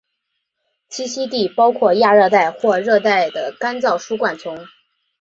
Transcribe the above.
栖息地包括亚热带或热带的干燥疏灌丛。